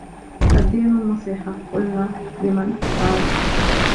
الدِّينُ النَّصِيحَةُ. قُلْنَا: لِمَنْ؟ قالَ: